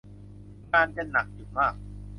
งานจะหนักอยู่มาก